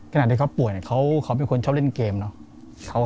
ขณะที่เขาป่วยเขาเป็นคนชอบเล่นเกมเนอะ